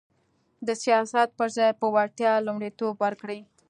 د سیاست پر ځای به وړتیا ته لومړیتوب ورکړي